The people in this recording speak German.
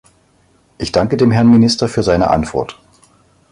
Ich danke dem Herrn Minister für seine Antwort.